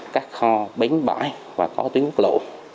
các kho bến bãi và có tuyến quốc lộ